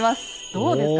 どうですか？